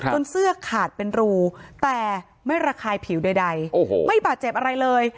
เสื้อขาดเป็นรูแต่ไม่ระคายผิวใดไม่บาดเจ็บอะไรเลย